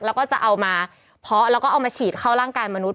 แล้วก็จะเอามาเพาะแล้วก็เอามาฉีดเข้าร่างกายมนุษ